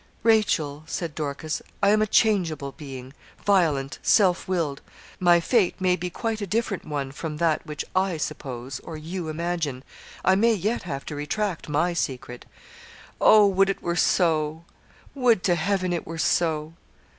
'Rachel,' said Dorcas, 'I am a changeable being violent, self willed. My fate may be quite a different one from that which I suppose or you imagine. I may yet have to retract my secret.' 'Oh! would it were so would to Heaven it were so.'